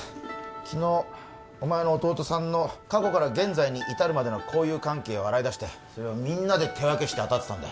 昨日お前の弟さんの過去から現在に至るまでの交友関係を洗い出してそれをみんなで手分けして当たってたんだ